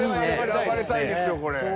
選ばれたいですよこれ。